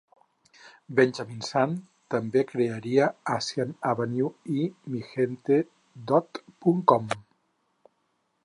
Benjamin Sun també crearia AsianAve i MiGente dot.com.